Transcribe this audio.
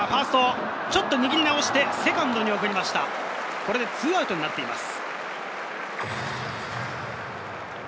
これで２アウトになっています。